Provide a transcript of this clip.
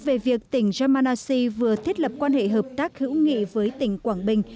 về việc tỉnh ramanasi vừa thiết lập quan hệ hợp tác hữu nghị với tỉnh quảng bình